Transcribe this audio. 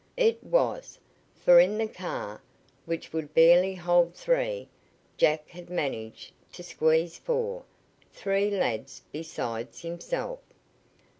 It was, for in the car, which would barely hold three, Jack had managed to squeeze four three lads besides himself.